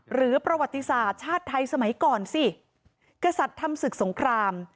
หรือประวัติศาสตร์ชาติไทยสมัยก่อนสิกษัตริย์ทำศึกสงคราม